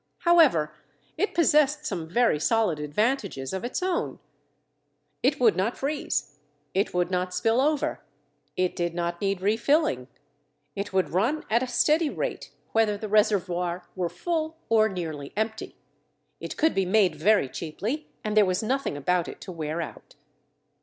However, it possessed some very solid advantages of its own. It would not freeze; it would not spill over; it did not need refilling; it would run at a steady rate whether the reservoir were full or nearly empty; it could be made very cheaply, and there was nothing about it to wear out.